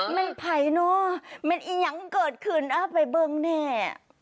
มันพัยเนอะมันอียางเกิดขึ้นอ้ะไบเบิ่งแน่